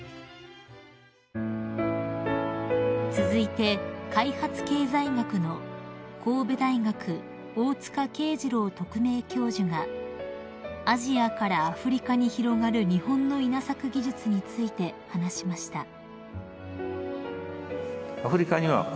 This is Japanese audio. ［続いて開発経済学の神戸大学大塚啓二郎特命教授が「アジアからアフリカに広がる日本の稲作技術」について話しました］